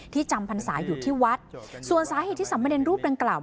จำพรรษาอยู่ที่วัดส่วนสาเหตุที่สามเนรรูปดังกล่าว